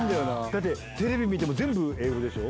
だって、テレビ見ても、全部英語でしょ？